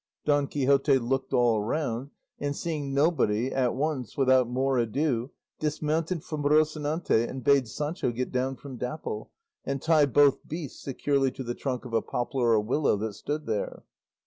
Don Quixote looked all round, and seeing nobody, at once, without more ado, dismounted from Rocinante and bade Sancho get down from Dapple and tie both beasts securely to the trunk of a poplar or willow that stood there.